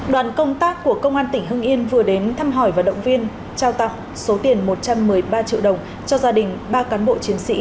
đoàn công tác của công an tỉnh hưng yên vừa đến thăm hỏi và động viên trao tặng số tiền một trăm một mươi ba triệu đồng cho gia đình ba cán bộ chiến sĩ